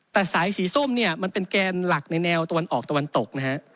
แต่สายสีส้มเนี่ยมันเป็นแกนหลักในแนวตะวันออกตะวันตกนะฮะ